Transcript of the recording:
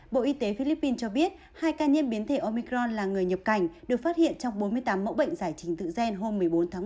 bộ y tế philippines cho biết hai ca nhiễm biến thể omicron là người nhập cảnh được phát hiện trong bốn mươi tám mẫu bệnh giải trình thự gian hôm một mươi bốn tháng một mươi hai